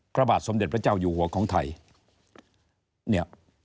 พระบาทสมเด็จพระเจ้าอยู่หัวของไทยเนี่ย